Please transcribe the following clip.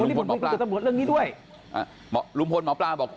คนที่ผ่านไปกับตำรวจเรื่องนี้ด้วยอ่าหมอลุงพลหมอปลาบอก